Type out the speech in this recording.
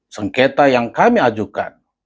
sengketa yang kami ajukan